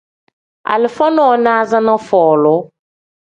Alifa nonaza ni folu.